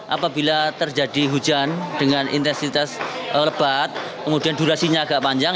apabila terjadi hujan dengan intensitas lebat kemudian durasinya agak panjang